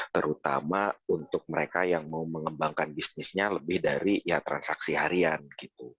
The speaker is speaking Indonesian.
terutama untuk mereka yang mau mengembangkan bisnisnya lebih dari ya transaksi harian gitu